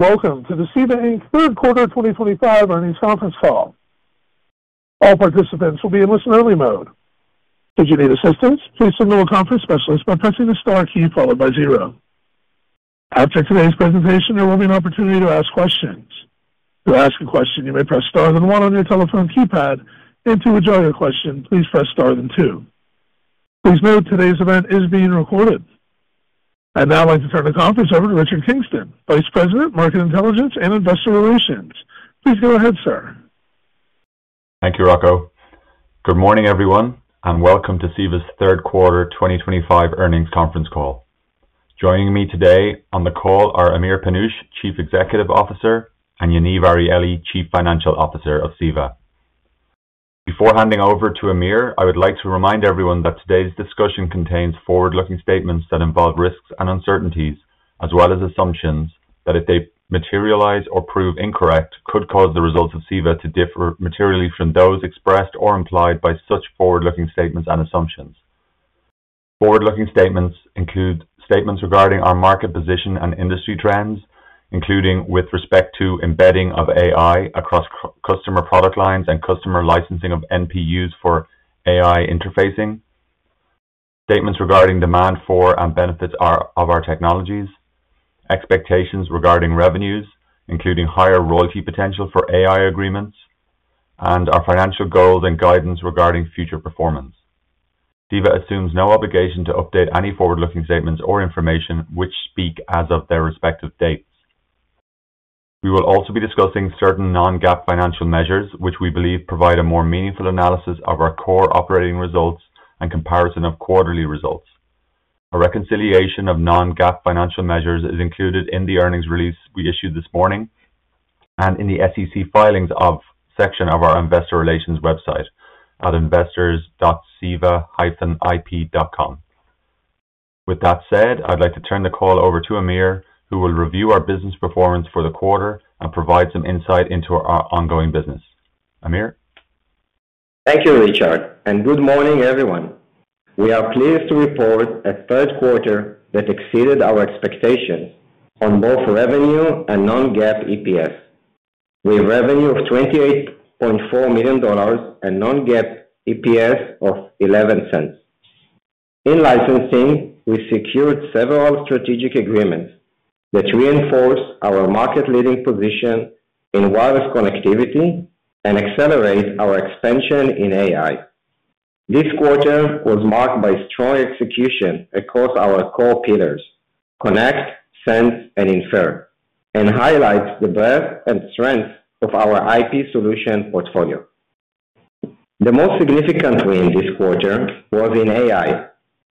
Welcome to the CEVA, Inc. Third Quarter 2025 Learning Conference Call. All participants will be in listen-only mode. If you need assistance, please signal a conference specialist by pressing the star key followed by zero. After today's presentation, there will be an opportunity to ask questions. To ask a question, you may press star then one on your telephone keypad, and to withdraw your question, please press star then two. Please note today's event is being recorded. I'd now like to turn the conference over to Richard Kingston, Vice President, Market Intelligence and Investor Relations. Please go ahead, sir. Thank you, Rocco. Good morning, everyone, and welcome to CEVA's third quarter 2025 earnings conference call. Joining me today on the call are Amir Panush, Chief Executive Officer, and Yaniv Arieli, Chief Financial Officer of CEVA. Before handing over to Amir, I would like to remind everyone that today's discussion contains forward-looking statements that involve risks and uncertainties, as well as assumptions that, if they materialize or prove incorrect, could cause the results of CEVA to differ materially from those expressed or implied by such forward-looking statements and assumptions. Forward-looking statements include statements regarding our market position and industry trends, including with respect to embedding of AI across customer product lines and customer licensing of NPUs for AI interfacing; statements regarding demand for and benefits of our technologies; expectations regarding revenues, including higher royalty potential for AI agreements; and our financial goals and guidance regarding future performance. CEVA assumes no obligation to update any forward-looking statements or information which speak as of their respective dates. We will also be discussing certain non-GAAP financial measures, which we believe provide a more meaningful analysis of our core operating results and comparison of quarterly results. A reconciliation of non-GAAP financial measures is included in the earnings release we issued this morning and in the SEC filings section of our Investor Relations website at investors.ceva-ip.com. With that said, I'd like to turn the call over to Amir, who will review our business performance for the quarter and provide some insight into our ongoing business. Amir? Thank you, Richard, and good morning, everyone. We are pleased to report a third quarter that exceeded our expectations on both revenue and non-GAAP EPS. We have revenue of $28.4 million and non-GAAP EPS of $0.11. In licensing, we secured several strategic agreements that reinforce our market-leading position in wireless connectivity and accelerate our expansion in AI. This quarter was marked by strong execution across our core pillars, connect, send, and infer, and highlights the breadth and strength of our IP solution portfolio. The most significant win this quarter was in AI,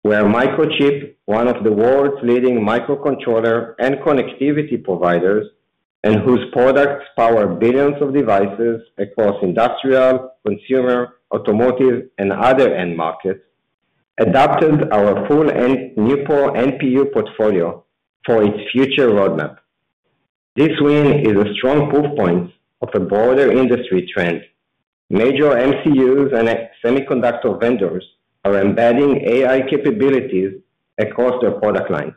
where Microchip, one of the world's leading microcontroller and connectivity providers, and whose products power billions of devices across industrial, consumer, automotive, and other end markets, adopted our full NPU portfolio for its future roadmap. This win is a strong proof point of a broader industry trend. Major MCUs and semiconductor vendors are embedding AI capabilities across their product lines,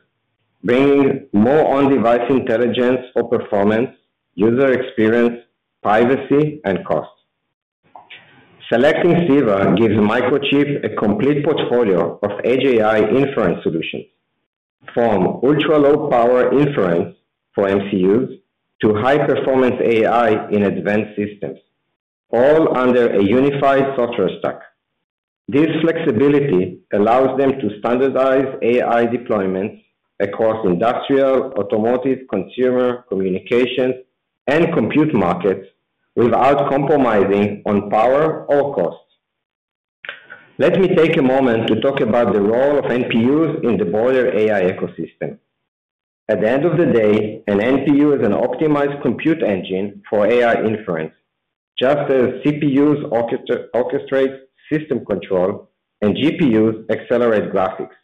bringing more on-device intelligence for performance, user experience, privacy, and cost. Selecting CEVA gives Microchip a complete portfolio of edge AI inference solutions, from ultra-low-power inference for MCUs to high-performance AI in advanced systems, all under a unified software stack. This flexibility allows them to standardize AI deployments across industrial, automotive, consumer, communications, and compute markets without compromising on power or cost. Let me take a moment to talk about the role of NPUs in the broader AI ecosystem. At the end of the day, an NPU is an optimized compute engine for AI inference, just as CPUs orchestrate system control and GPUs accelerate graphics.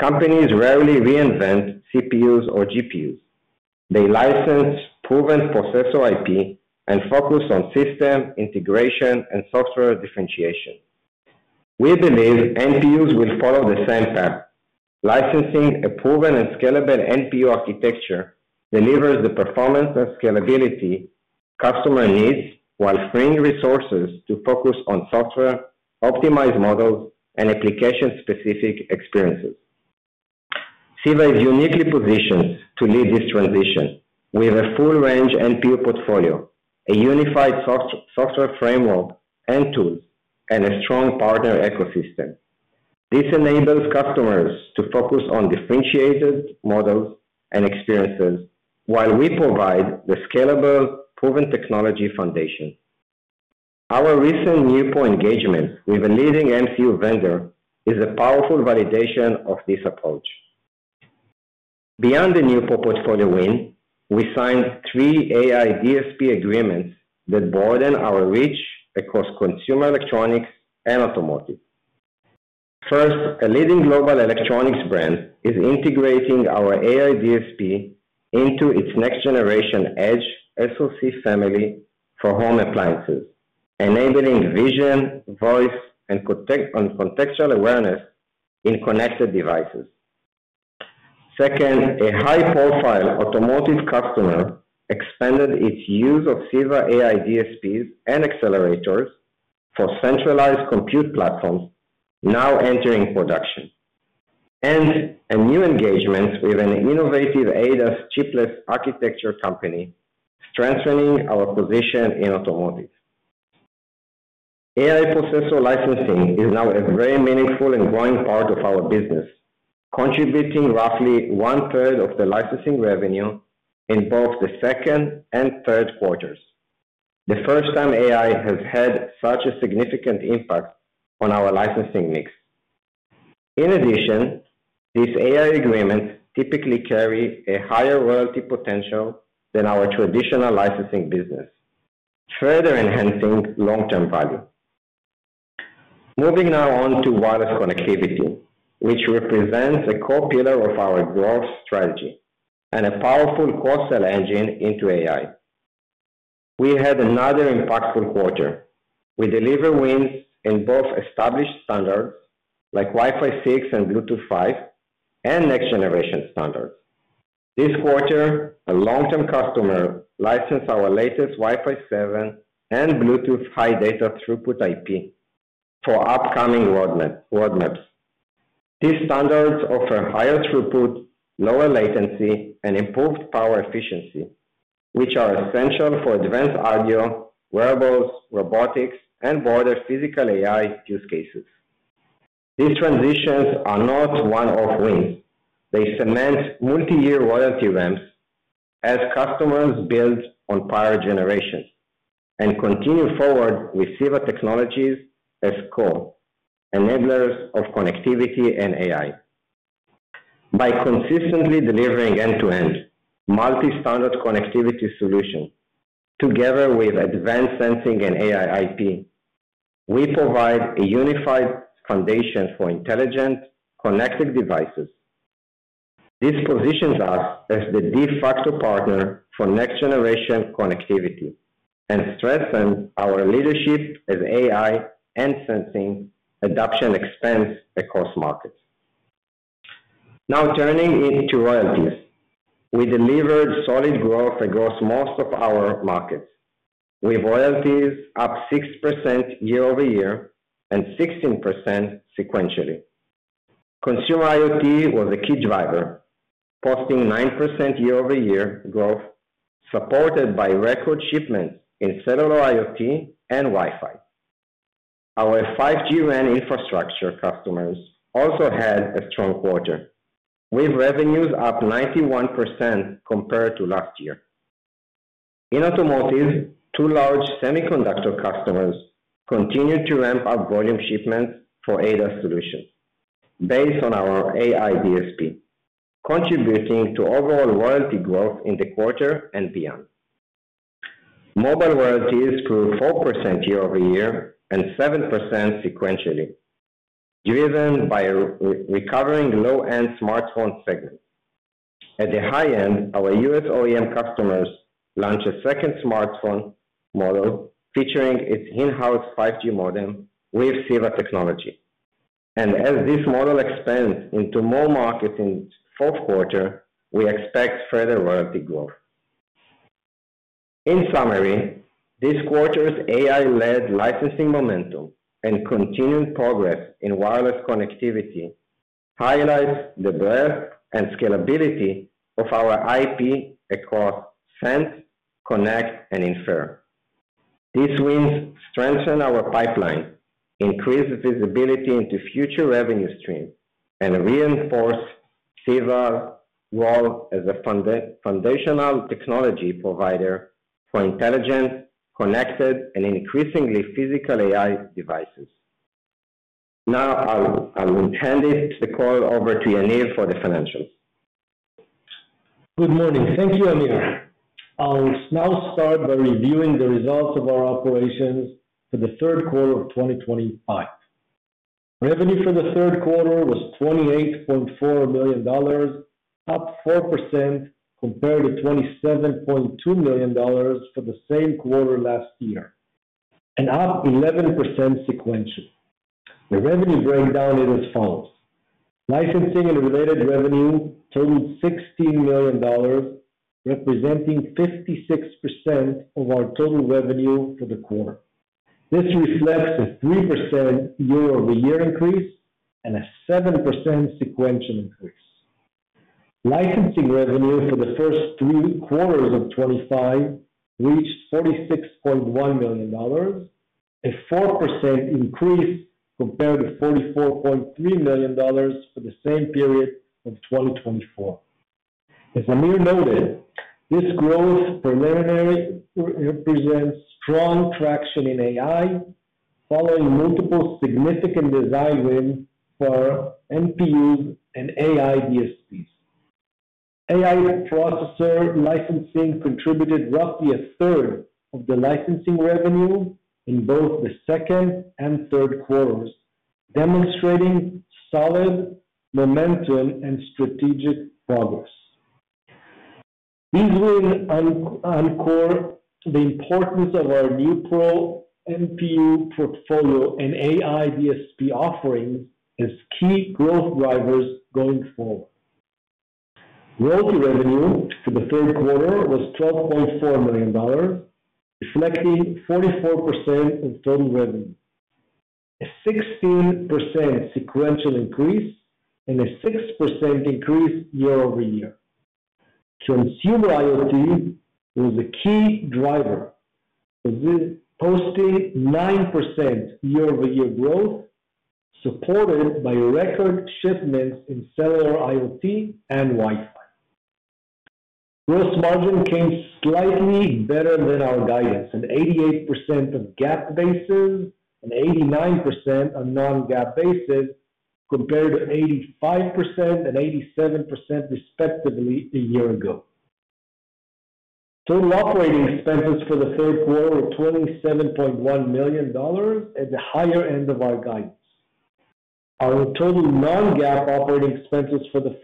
Companies rarely reinvent CPUs or GPUs. They license proven processor IP and focus on system integration and software differentiation. We believe NPUs will follow the same path. Licensing a proven and scalable NPU architecture delivers the performance and scalability customers need while freeing resources to focus on software, optimized models, and application-specific experiences. CEVA is uniquely positioned to lead this transition with a full-range NPU portfolio, a unified software framework and tools, and a strong partner ecosystem. This enables customers to focus on differentiated models and experiences while we provide the scalable, proven technology foundation. Our recent NPU engagement with a leading MCU vendor is a powerful validation of this approach. Beyond the NPU portfolio win, we signed three AI DSP agreements that broaden our reach across consumer electronics and automotive. First, a leading global electronics brand is integrating our AI DSP into its next-generation edge SoC family for home appliances, enabling vision, voice, and contextual awareness in connected devices. Second, a high-profile automotive customer expanded its use of CEVA AI DSPs and accelerators for centralized compute platforms, now entering production. A new engagement with an innovative ADAS Chiplet Architecture company is strengthening our position in automotive. AI processor licensing is now a very meaningful and growing part of our business, contributing roughly one-third of the licensing revenue in both the second and third quarters. The first time AI has had such a significant impact on our licensing mix. In addition, these AI agreements typically carry a higher royalty potential than our traditional licensing business, further enhancing long-term value. Moving now on to wireless connectivity, which represents a core pillar of our growth strategy and a powerful cross-sell engine into AI. We had another impactful quarter. We deliver wins in both established standards like Wi-Fi 6 and Bluetooth 5 and next-generation standards. This quarter, a long-term customer licensed our latest Wi-Fi 7 and Bluetooth high data throughput IP for upcoming roadmaps. These standards offer higher throughput, lower latency, and improved power efficiency, which are essential for advanced audio, wearables, robotics, and broader physical AI use cases. These transitions are not one-off wins. They cement multi-year royalty ramps as customers build on prior generations and continue forward with CEVA technologies as core enablers of connectivity and AI. By consistently delivering end-to-end multi-standard connectivity solutions together with advanced sensing and AI IP, we provide a unified foundation for intelligent connected devices. This positions us as the de facto partner for next-generation connectivity and strengthens our leadership as AI and sensing adoption expands across markets. Now turning to royalties, we delivered solid growth across most of our markets, with royalties up 6% year over year and 16% sequentially. Consumer IoT was a key driver, posting 9% year over year growth supported by record shipments in cellular IoT and Wi-Fi. Our 5G WAN infrastructure customers also had a strong quarter, with revenues up 91% compared to last year. In automotive, two large semiconductor customers continued to ramp up volume shipments for ADAS solutions based on our AI DSP, contributing to overall royalty growth in the quarter and beyond. Mobile royalties grew 4% year over year and 7% sequentially, driven by recovering low-end smartphone segments. At the high end, our U.S. OEM customers launched a second smartphone model featuring its in-house 5G modem with CEVA technology. As this model expands into more markets in the fourth quarter, we expect further royalty growth. In summary, this quarter's AI-led licensing momentum and continued progress in wireless connectivity highlights the breadth and scalability of our IP across send, connect, and infer. These wins strengthen our pipeline, increase visibility into future revenue streams, and reinforce CEVA's role as a foundational technology provider for intelligent, connected, and increasingly physical AI devices. Now I'll hand the call over to Yaniv for the financials. Good morning. Thank you, Amir. I'll now start by reviewing the results of our operations for the third quarter of 2025. Revenue for the third quarter was $28.4 million, up 4% compared to $27.2 million for the same quarter last year, and up 11% sequentially. The revenue breakdown is as follows. Licensing and related revenue totaled $16 million, representing 56% of our total revenue for the quarter. This reflects a 3% year-over-year increase and a 7% sequential increase. Licensing revenue for the first three quarters of 2025 reached $46.1 million, a 4% increase compared to $44.3 million for the same period of 2024. As Amir noted, this growth preliminarily represents strong traction in AI, following multiple significant design wins for NPUs and AI DSPs. AI processor licensing contributed roughly a third of the licensing revenue in both the second and third quarters, demonstrating solid momentum and strategic progress. These wins encore the importance of our NeuPro NPU portfolio and AI DSP offerings as key growth drivers going forward. Royalty revenue for the third quarter was $12.4 million, reflecting 44% of total revenue, a 16% sequential increase, and a 6% increase year over year. Consumer IoT was a key driver, posting 9% year-over-year growth, supported by record shipments in cellular IoT and Wi-Fi. Gross margin came slightly better than our guidance, at 88% of GAAP basis and 89% of non-GAAP basis, compared to 85% and 87%, respectively, a year ago. Total operating expenses for the third quarter were $27.1 million at the higher end of our guidance. Our total non-GAAP operating expenses for the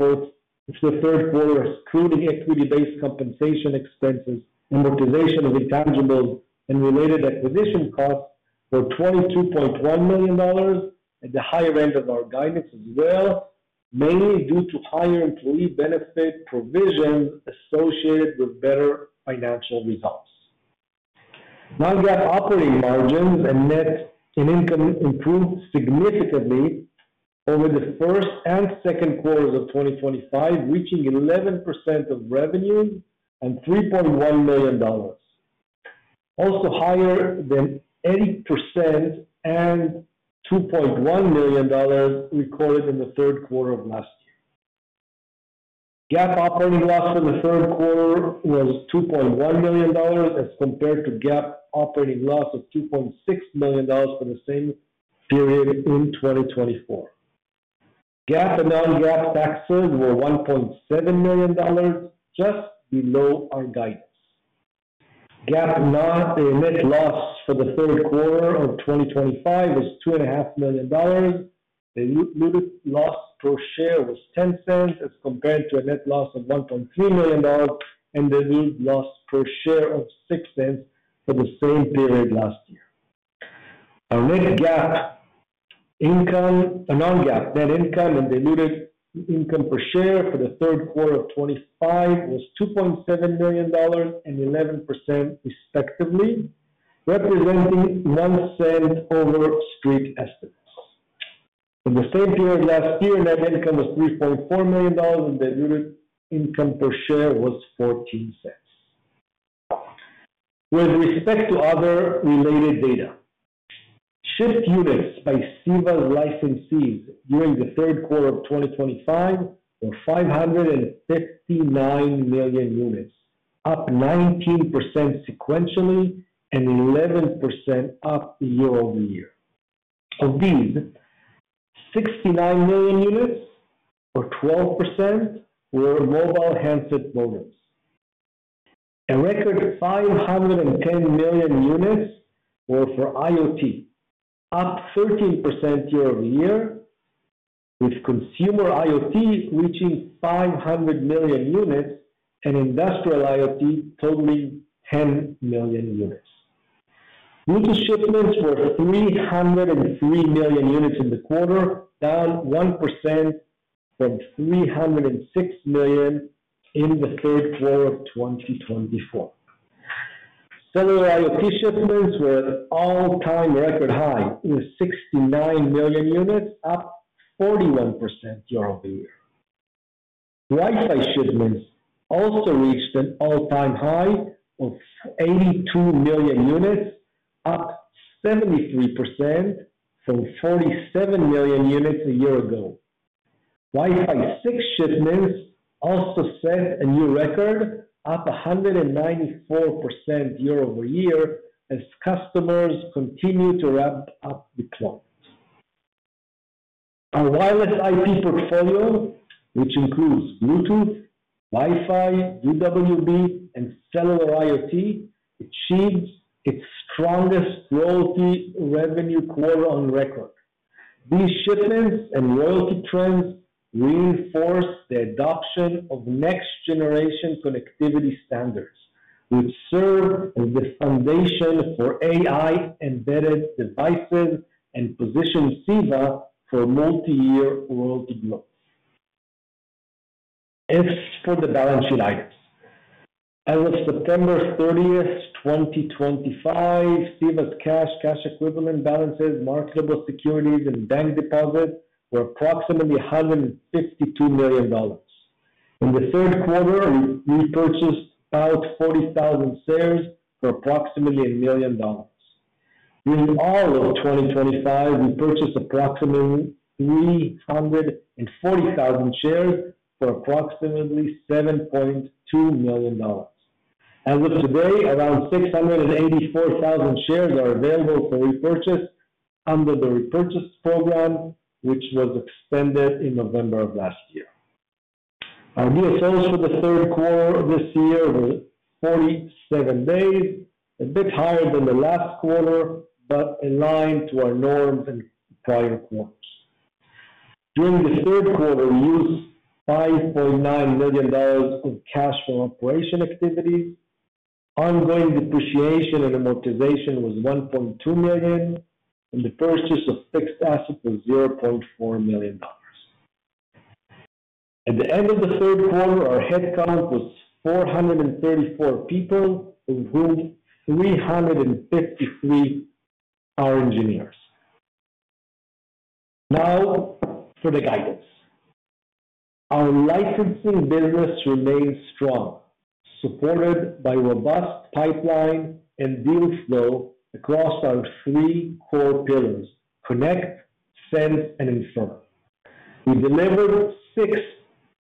third quarter excluding equity-based compensation expenses, amortization of intangibles and related acquisition costs were $22.1 million at the higher end of our guidance as well, mainly due to higher employee benefit provisions associated with better financial results. Non-GAAP operating margins and net income improved significantly over the first and second quarters of 2025, reaching 11% of revenue and $3.1 million, also higher than 8% and $2.1 million recorded in the third quarter of last year. GAAP operating loss for the third quarter was $2.1 million as compared to GAAP operating loss of $2.6 million for the same period in 2024. GAAP and non-GAAP taxes were $1.7 million, just below our guidance. GAAP net loss for the third quarter of 2025 was $2.5 million. The diluted loss per share was $0.10 as compared to a net loss of $1.3 million and diluted loss per share of $0.06 for the same period last year. Our net GAAP income, non-GAAP net income, and diluted income per share for the third quarter of 2025 was $2.7 million and 11%, respectively, representing $0.01 over street estimates. For the same period last year, net income was $3.4 million, and diluted income per share was $0.14. With respect to other related data, shipped units by CEVA's licensees during the third quarter of 2025 were 559 million units, up 19% sequentially and 11% up year over year. Of these, 69 million units, or 12%, were mobile handset modems. A record 510 million units were for IoT, up 13% year over year, with consumer IoT reaching 500 million units and Industrial IoT totaling 10 million units. Bluetooth shipments were 303 million units in the quarter, down 1% from 306 million in the third quarter of 2024. Cellular IoT shipments were at all-time record high, with 69 million units, up 41% year over year. Wi-Fi shipments also reached an all-time high of 82 million units, up 73% from 47 million units a year ago. Wi-Fi 6 shipments also set a new record, up 194% year over year as customers continue to ramp up the clock. Our wireless IP portfolio, which includes Bluetooth, Wi-Fi, UWB, and cellular IoT, achieved its strongest royalty revenue quarter on record. These shipments and royalty trends reinforced the adoption of next-generation connectivity standards, which served as the foundation for AI embedded devices and positioned CEVA for multi-year royalty growth. As for the balance sheet items, as of September 30, 2025, CEVA's cash, cash equivalent balances, marketable securities, and bank deposits were approximately $152 million. In the third quarter, we purchased about 40,000 shares for approximately $1 million. In all of 2025, we purchased approximately 340,000 shares for approximately $7.2 million. As of today, around 684,000 shares are available for repurchase under the repurchase program, which was extended in November of last year. Our DFOs for the third quarter of this year were 47 days, a bit higher than the last quarter, but in line to our norms in prior quarters. During the third quarter, we used $5.9 million in cash from operation activities. Ongoing depreciation and amortization was $1.2 million, and the purchase of fixed assets was $0.4 million. At the end of the third quarter, our headcount was 434 people, of whom 353 are engineers. Now for the guidance. Our licensing business remains strong, supported by robust pipeline and deal flow across our three core pillars: connect, send, and infer. We delivered six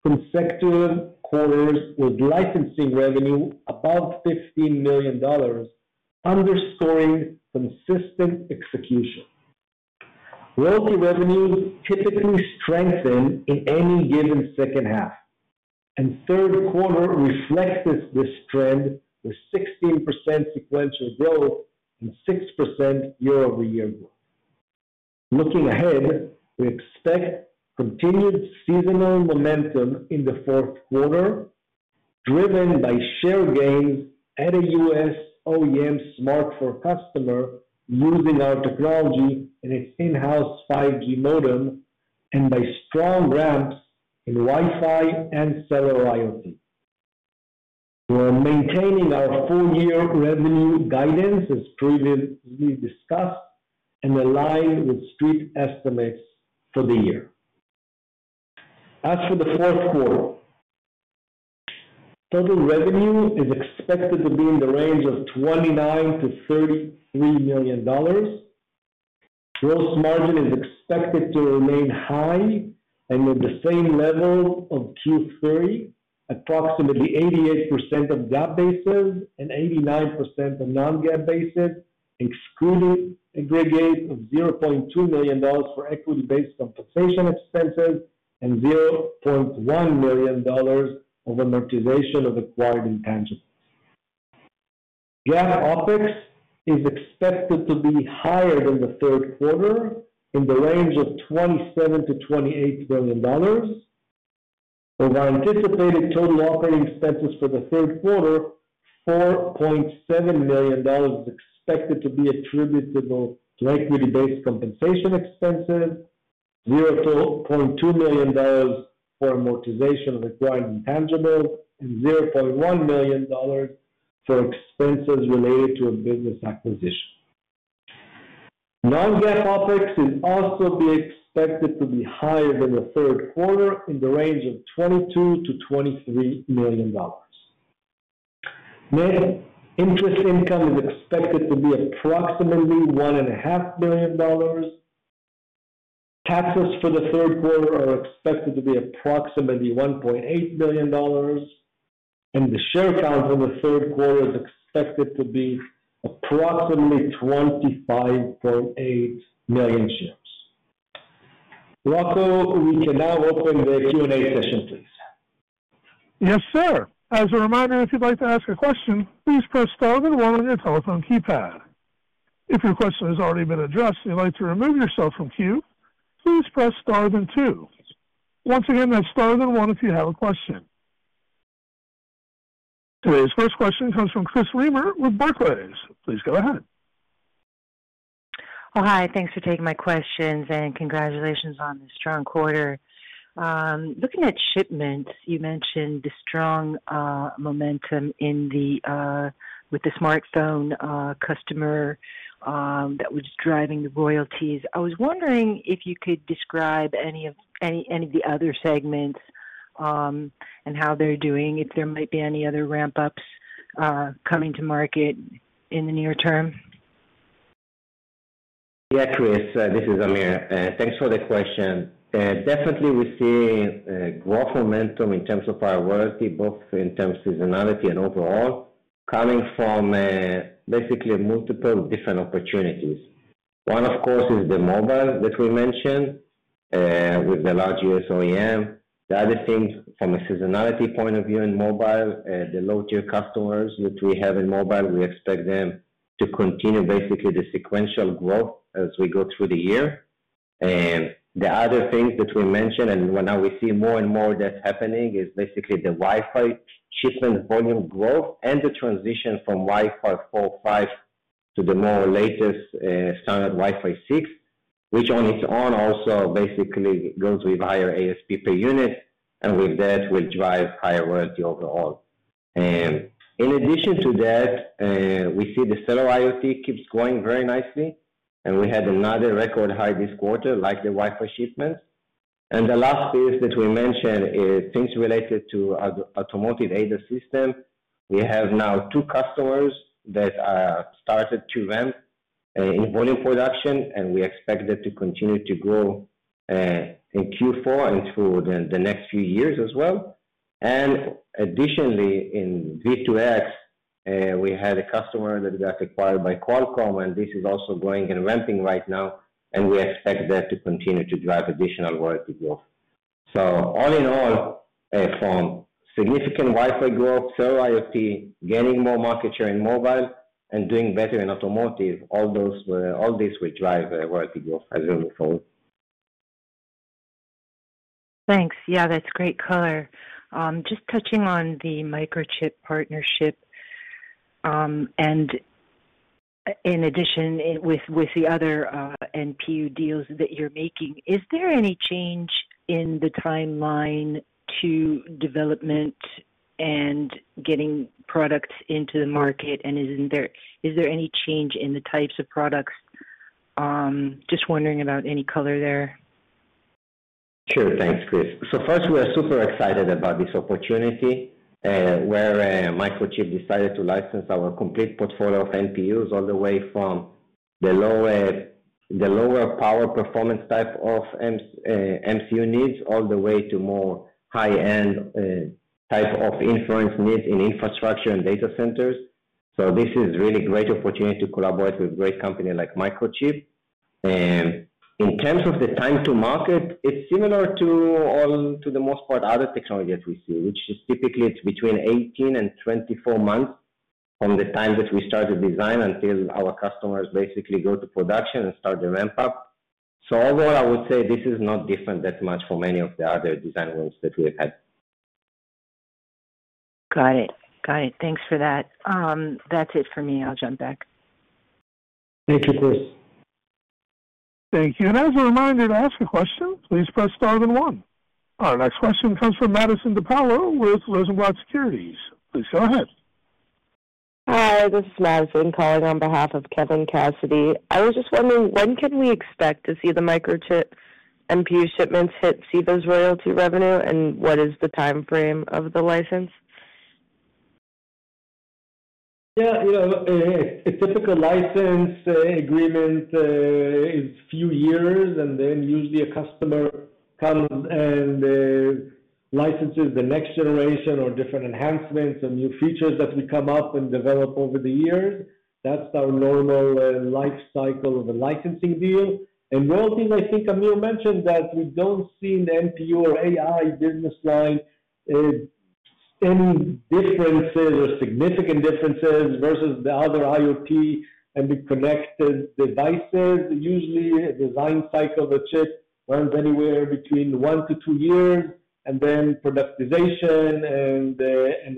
consecutive quarters with licensing revenue above $15 million, underscoring consistent execution. Royalty revenues typically strengthen in any given second half, and third quarter reflects this trend with 16% sequential growth and 6% year-over-year growth. Looking ahead, we expect continued seasonal momentum in the fourth quarter, driven by share gains at a U.S. OEM smartphone customer using our technology and its in-house 5G modem, and by strong ramps in Wi-Fi and cellular IoT. We are maintaining our full-year revenue guidance, as previously discussed, and aligned with street estimates for the year. As for the fourth quarter, total revenue is expected to be in the range of $29-$33 million. Gross margin is expected to remain high and at the same level of Q3, approximately 88% of GAAP basis and 89% of non-GAAP basis, excluding aggregate of $0.2 million for equity-based compensation expenses and $0.1 million of amortization of acquired intangibles. GAAP OpEx is expected to be higher than the third quarter, in the range of $27-$28 million. Of our anticipated total operating expenses for the third quarter, $4.7 million is expected to be attributable to equity-based compensation expenses, $0.2 million for amortization of acquired intangibles, and $0.1 million for expenses related to a business acquisition. Non-GAAP OpEx is also expected to be higher than the third quarter, in the range of $22-$23 million. Net interest income is expected to be approximately $1.5 million. Taxes for the third quarter are expected to be approximately $1.8 million, and the share count for the third quarter is expected to be approximately 25.8 million shares. Rocko, we can now open the Q&A session, please. Yes, sir. As a reminder, if you'd like to ask a question, please press star then one on your telephone keypad. If your question has already been addressed and you'd like to remove yourself from queue, please press star then two. Once again, that's star then one if you have a question. Today's first question comes from Chris Reimer with Barclays. Please go ahead. Hi. Thanks for taking my questions and congratulations on the strong quarter. Looking at shipments, you mentioned the strong momentum with the smartphone customer that was driving the royalties. I was wondering if you could describe any of the other segments and how they're doing, if there might be any other ramp-ups coming to market in the near term. Yeah, Chris, this is Amir. Thanks for the question. Definitely, we see growth momentum in terms of our royalty, both in terms of seasonality and overall, coming from basically multiple different opportunities. One, of course, is the mobile that we mentioned with the largest OEM. The other thing from a seasonality point of view in mobile, the low-tier customers that we have in mobile, we expect them to continue, basically, the sequential growth as we go through the year. The other things that we mentioned, and now we see more and more that's happening, is basically the Wi-Fi shipment volume growth and the transition from Wi-Fi 4.5 to the more latest standard Wi-Fi 6, which on its own also basically goes with higher ASP per unit, and with that will drive higher royalty overall. In addition to that, we see the cellular IoT keeps growing very nicely, and we had another record high this quarter, like the Wi-Fi shipments. The last piece that we mentioned is things related to automotive aid system. We have now two customers that started to ramp in volume production, and we expect that to continue to grow in Q4 and through the next few years as well. Additionally, in V2X, we had a customer that got acquired by Qualcomm, and this is also growing and ramping right now, and we expect that to continue to drive additional royalty growth. All in all, from significant Wi-Fi growth, cellular IoT, gaining more market share in mobile, and doing better in automotive, all these will drive royalty growth as we move forward. Thanks. Yeah, that's great color. Just touching on the Microchip partnership, and in addition with the other NPU deals that you're making, is there any change in the timeline to development and getting products into the market? Is there any change in the types of products? Just wondering about any color there. Sure. Thanks, Chris. First, we are super excited about this opportunity where Microchip decided to license our complete portfolio of NPUs, all the way from the lower power performance type of MCU needs all the way to more high-end type of inference needs in infrastructure and data centers. This is a really great opportunity to collaborate with a great company like Microchip. In terms of the time to market, it's similar to, for the most part, other technologies we see, which is typically between 18 and 24 months from the time that we started design until our customers basically go to production and start the ramp-up. Overall, I would say this is not different that much from any of the other design wins that we have had. Got it. Got it. Thanks for that. That's it for me. I'll jump back. Thank you, Chris. Thank you. As a reminder to ask a question, please press star then one. Our next question comes from Maddie De Paola with Rosenblatt Securities. Please go ahead. Hi. This is Maddie calling on behalf of Kevin Cassidy. I was just wondering, when can we expect to see the Microchip NPU shipments hit CEVA's royalty revenue, and what is the timeframe of the license? Yeah. A typical license agreement is a few years, and then usually a customer comes and licenses the next generation or different enhancements or new features that will come up and develop over the years. That is our normal life cycle of a licensing deal. One thing I think Amir mentioned is that we do not see in the NPU or AI business line any differences or significant differences versus the other IoT and the connected devices. Usually, the design cycle of a chip runs anywhere between one to two years, and then productization and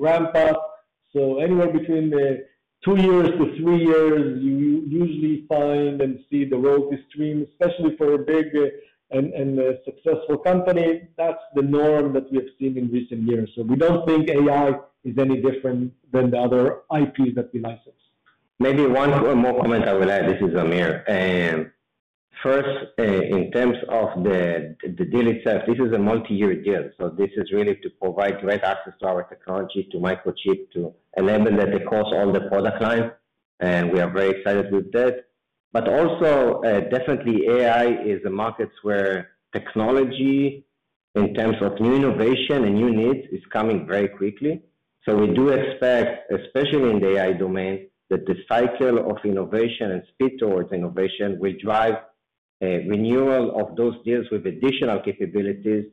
ramp-up. Anywhere between two years to three years, you usually find and see the royalty stream, especially for a big and successful company. That is the norm that we have seen in recent years. We do not think AI is any different than the other IPs that we license. Maybe one more comment I will add. This is Amir. First, in terms of the deal itself, this is a multi-year deal. This is really to provide direct access to our technology, to Microchip, to enable that across all the product lines. We are very excited with that. Also, definitely, AI is a market where technology, in terms of new innovation and new needs, is coming very quickly. We do expect, especially in the AI domain, that the cycle of innovation and speed towards innovation will drive renewal of those deals with additional capabilities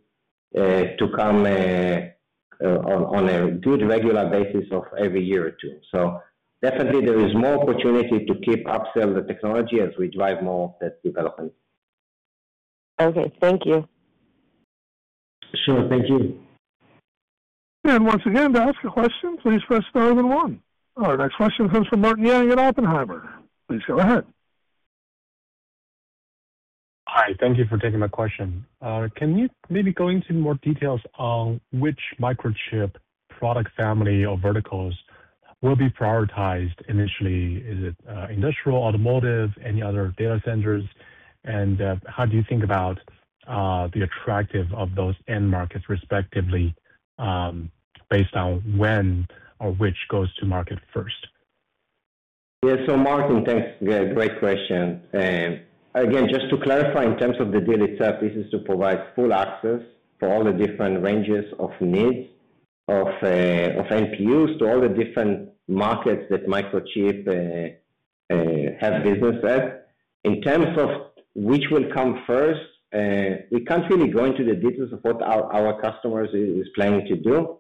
to come on a good regular basis of every year or two. Definitely, there is more opportunity to keep upsell the technology as we drive more of that development. Okay. Thank you. Sure. Thank you. Once again, to ask a question, please press star then one. Our next question comes from Martin Yang at Oppenheimer. Please go ahead. Hi. Thank you for taking my question. Can you maybe go into more details on which Microchip product family or verticals will be prioritized initially? Is it industrial, automotive, any other data centers? How do you think about the attractiveness of those end markets, respectively, based on when or which goes to market first? Yeah. Martin, thanks. Great question. Again, just to clarify, in terms of the deal itself, this is to provide full access for all the different ranges of needs of NPUs to all the different markets that Microchip have business at. In terms of which will come first, we can't really go into the details of what our customers are planning to do,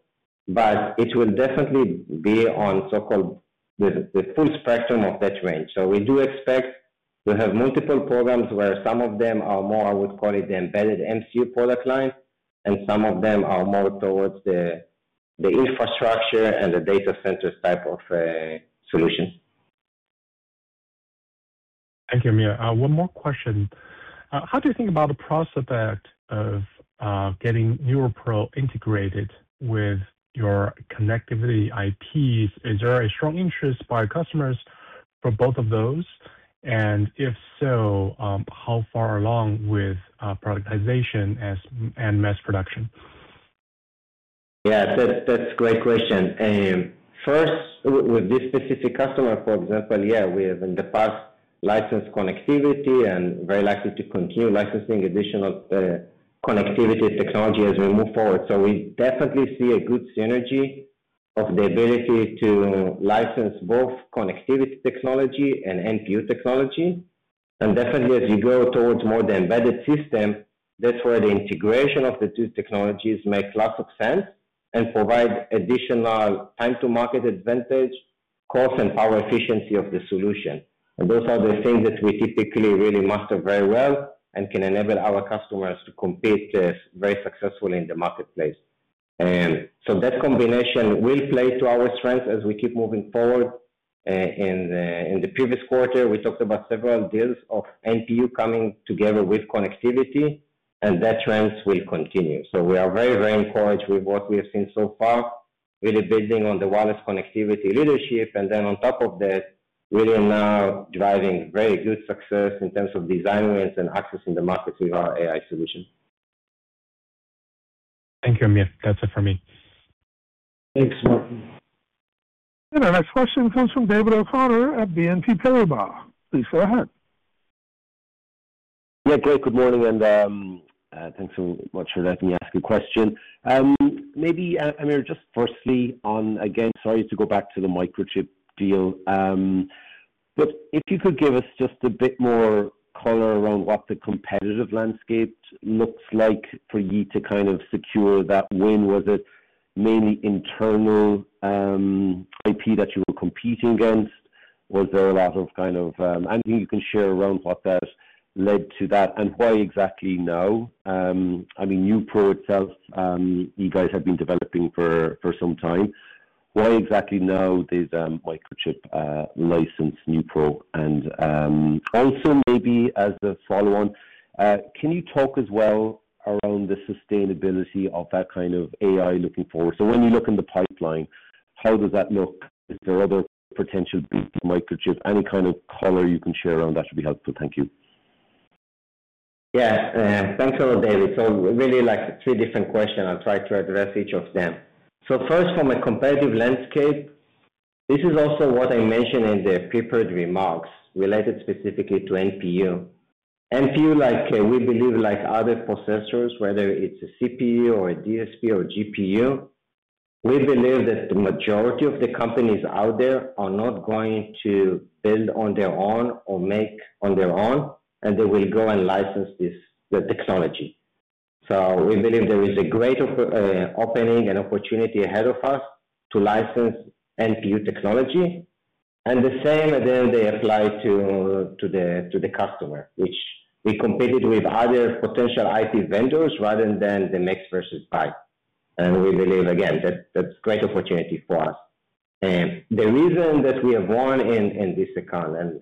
but it will definitely be on so-called the full spectrum of that range. We do expect to have multiple programs where some of them are more, I would call it, the embedded MCU product line, and some of them are more towards the infrastructure and the data centers type of solutions. Thank you, Amir. One more question. How do you think about the prospect of getting NeuPro integrated with your connectivity IPs? Is there a strong interest by customers for both of those? If so, how far along with productization and mass production? Yeah. That's a great question. First, with this specific customer, for example, yeah, we have in the past licensed connectivity and are very likely to continue licensing additional connectivity technology as we move forward. We definitely see a good synergy of the ability to license both connectivity technology and NPU technology. Definitely, as you go towards more of the embedded system, that's where the integration of the two technologies makes lots of sense and provides additional time-to-market advantage, cost, and power efficiency of the solution. Those are the things that we typically really master very well and can enable our customers to compete very successfully in the marketplace. That combination will play to our strengths as we keep moving forward. In the previous quarter, we talked about several deals of NPU coming together with connectivity, and that trend will continue. We are very, very encouraged with what we have seen so far, really building on the wireless connectivity leadership. Then on top of that, really now driving very good success in terms of design wins and access in the markets with our AI solution. Thank you, Amir. That's it for me. Thanks, Martin. Our next question comes from David O'Connor at BNP Paribas. Please go ahead. Yeah. Great. Good morning. Thanks so much for letting me ask a question. Maybe, Amir, just firstly, again, sorry to go back to the Microchip deal, but if you could give us just a bit more color around what the competitive landscape looks like for you to kind of secure that win. Was it mainly internal IP that you were competing against? Was there a lot of kind of anything you can share around what that led to that, and why exactly now? I mean, NeuPro itself, you guys have been developing for some time. Why exactly now did Microchip license NeuPro? Also, maybe as a follow-on, can you talk as well around the sustainability of that kind of AI looking forward? When you look in the pipeline, how does that look? Is there other potential big Microchip? Any kind of color you can share around that would be helpful. Thank you. Yeah. Thanks a lot, David. Really three different questions. I'll try to address each of them. First, from a competitive landscape, this is also what I mentioned in the prepared remarks related specifically to NPU. NPU, we believe, like other processors, whether it's a CPU or a DSP or GPU, we believe that the majority of the companies out there are not going to build on their own or make on their own, and they will go and license the technology. We believe there is a great opening and opportunity ahead of us to license NPU technology. The same, again, they apply to the customer, which we competed with other potential IP vendors rather than the mix versus buy. We believe, again, that's a great opportunity for us. The reason that we have won in this account and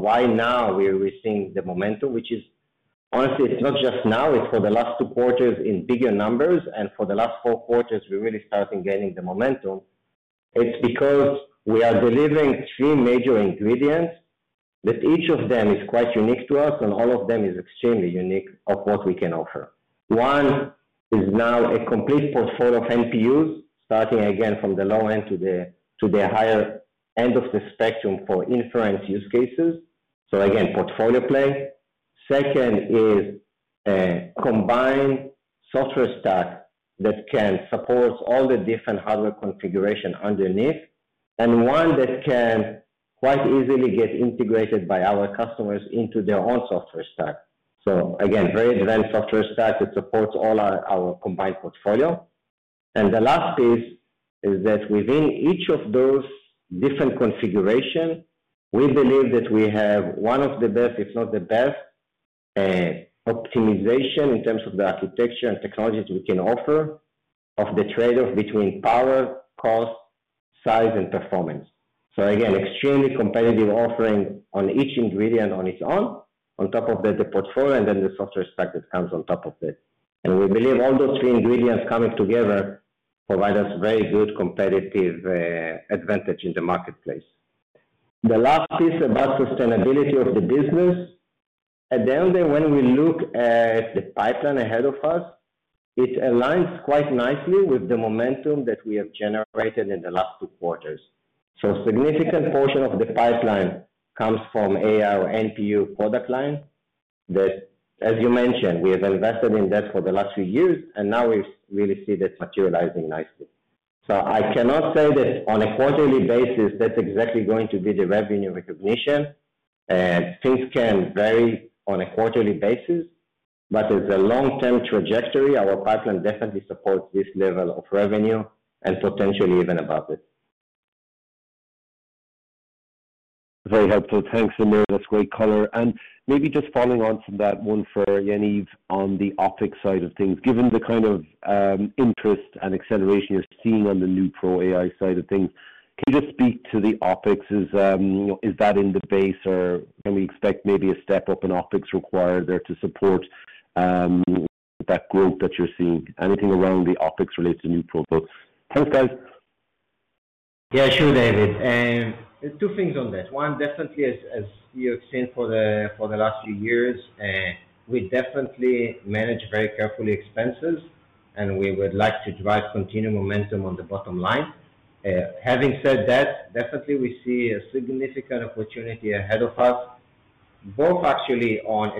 why now we're seeing the momentum, which is, honestly, it's not just now, it's for the last two quarters in bigger numbers, and for the last four quarters, we're really starting gaining the momentum. It's because we are delivering three major ingredients that each of them is quite unique to us, and all of them is extremely unique of what we can offer. One is now a complete portfolio of NPUs, starting again from the low end to the higher end of the spectrum for inference use cases. Portfolio play. Second is a combined software stack that can support all the different hardware configurations underneath, and one that can quite easily get integrated by our customers into their own software stack. Very advanced software stack that supports all our combined portfolio. The last piece is that within each of those different configurations, we believe that we have one of the best, if not the best, optimization in terms of the architecture and technology that we can offer of the trade-off between power, cost, size, and performance. Extremely competitive offering on each ingredient on its own, on top of that, the portfolio, and then the software stack that comes on top of that. We believe all those three ingredients coming together provide us very good competitive advantage in the marketplace. The last piece about sustainability of the business, at the end, when we look at the pipeline ahead of us, it aligns quite nicely with the momentum that we have generated in the last two quarters. A significant portion of the pipeline comes from AI or NPU product lines that, as you mentioned, we have invested in for the last few years, and now we really see that materializing nicely. I cannot say that on a quarterly basis, that's exactly going to be the revenue recognition. Things can vary on a quarterly basis, but as a long-term trajectory, our pipeline definitely supports this level of revenue and potentially even above it. Very helpful. Thanks, Amir. That's great color. Maybe just following on from that one for Yaniv on the optics side of things, given the kind of interest and acceleration you're seeing on the NeuPro AI side of things, can you just speak to the optics? Is that in the base, or can we expect maybe a step up in optics required there to support that growth that you're seeing? Anything around the optics related to NeuPro? Thanks, guys. Yeah. Sure, David. Two things on that. One, definitely, as you have seen for the last few years, we definitely manage very carefully expenses, and we would like to drive continued momentum on the bottom line. Having said that, definitely, we see a significant opportunity ahead of us, both actually on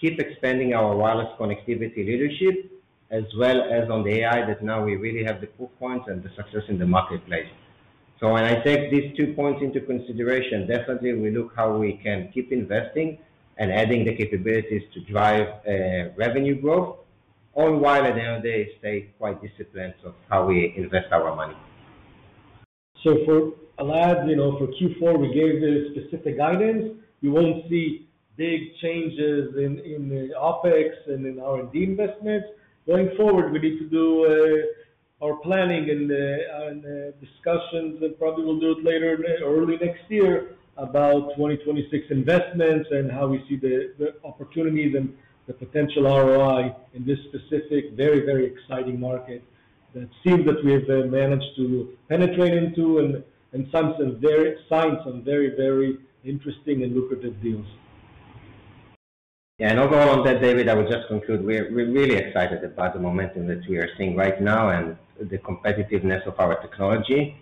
keep expanding our wireless connectivity leadership as well as on the AI that now we really have the proof points and the success in the marketplace. When I take these two points into consideration, definitely, we look at how we can keep investing and adding the capabilities to drive revenue growth, all while at the end of the day, stay quite disciplined of how we invest our money. For Q4, we gave the specific guidance. You won't see big changes in the optics and in R&D investments. Going forward, we need to do our planning and discussions, and probably we'll do it later early next year about 2026 investments and how we see the opportunities and the potential ROI in this specific, very, very exciting market that seems that we have managed to penetrate into and in some sense signed some very, very interesting and lucrative deals. Yeah. Overall on that, David, I would just conclude we're really excited about the momentum that we are seeing right now and the competitiveness of our technology,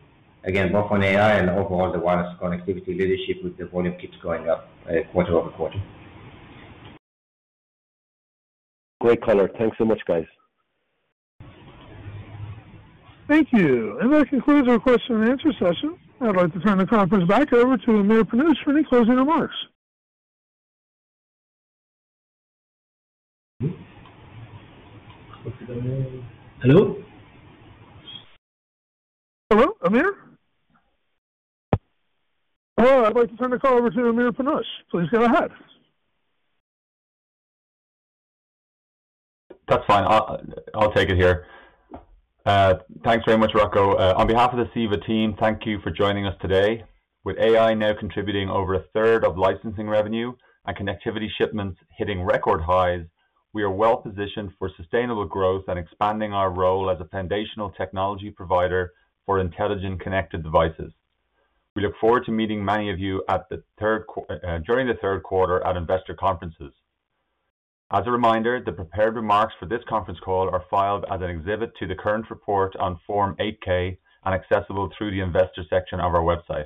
again, both on AI and overall the wireless connectivity leadership with the volume keeps going up quarter over quarter. Great color. Thanks so much, guys. Thank you. That concludes our question and answer session. I'd like to turn the conference back over to Amir Panush for any closing remarks. Hello? Hello, Amir? Hello. I'd like to turn the call over to Amir Panush. Please go ahead. That's fine. I'll take it here. Thanks very much, Rocco. On behalf of the CEVA team, thank you for joining us today. With AI now contributing over a third of licensing revenue and connectivity shipments hitting record highs, we are well positioned for sustainable growth and expanding our role as a foundational technology provider for intelligent connected devices. We look forward to meeting many of you during the third quarter at investor conferences. As a reminder, the prepared remarks for this conference call are filed as an exhibit to the current report on Form 8K and accessible through the investor section of our website.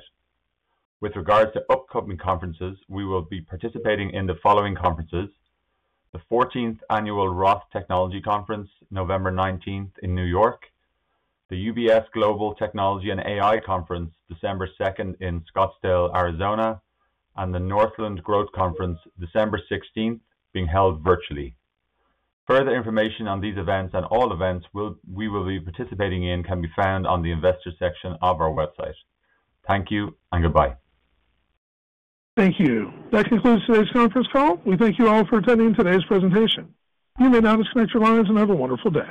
With regards to upcoming conferences, we will be participating in the following conferences: the 14th Annual Roth Technology Conference, November 19th in New York, the UBS Global Technology and AI Conference, December 2nd in Scottsdale, Arizona, and the Northland Growth Conference, December 16th, being held virtually. Further information on these events and all events we will be participating in can be found on the investor section of our website. Thank you and goodbye. Thank you. That concludes today's conference call. We thank you all for attending today's presentation. You may now disconnect your lines and have a wonderful day.